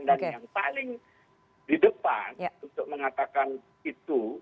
dan yang paling di depan untuk mengatakan itu